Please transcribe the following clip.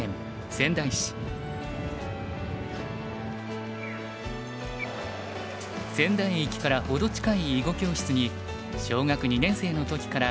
仙台駅から程近い囲碁教室に小学２年生の時から通い始めました。